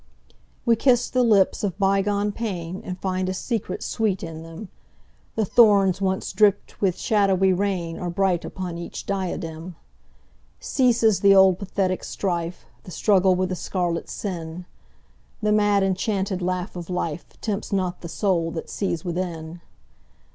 We kiss the lips of bygone painAnd find a secret sweet in them:The thorns once dripped with shadowy rainAre bright upon each diadem. Ceases the old pathetic strife, The struggle with the scarlet sin:The mad enchanted laugh of lifeTempts not the soul that sees within.